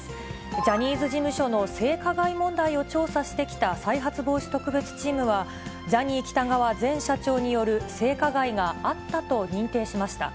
ジャニーズ事務所の性加害問題を調査してきた再発防止特別チームは、ジャニー喜多川前社長による性加害があったと認定しました。